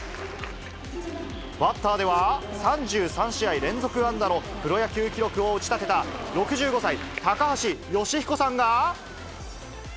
バッターでは、３３試合連続安打のプロ野球記録を打ち立てた６５歳、高橋慶彦さんが。